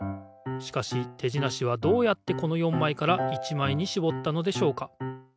しかし手じなしはどうやってこの４枚から１枚にしぼったのでしょうか？